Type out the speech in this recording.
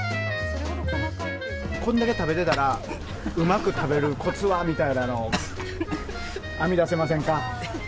こんだけ食べてたら、うまく食べるこつはみたいなの編み出せませんか？